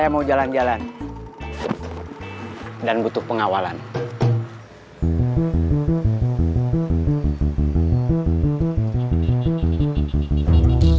mahu tunggu usia